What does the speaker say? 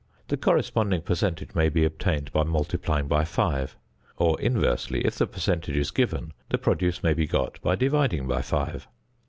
The corresponding percentage may be obtained by multiplying by five; or, inversely, if the percentage is given, the produce may be got by dividing by five.